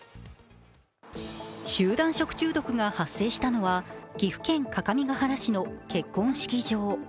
集団食中毒が発生したのは岐阜県各務原市の結婚式場。